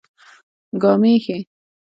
ګامېښې